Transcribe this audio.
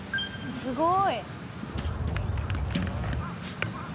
すごい。